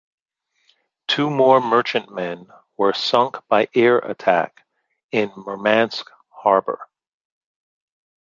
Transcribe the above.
Two more merchantmen were sunk by air attack in Murmansk harbour.